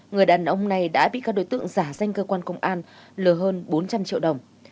người đàn ông này đã bị các đối tượng giả danh cơ quan công an lừa hơn bốn trăm linh triệu đồng